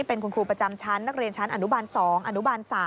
เป็นคุณครูประจำชั้นนักเรียนชั้นอนุบาล๒อนุบาล๓